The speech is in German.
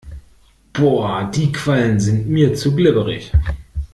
Boah, die Quallen sind mir zu glibberig.